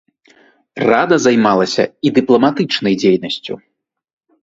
Рада займалася і дыпламатычнай дзейнасцю.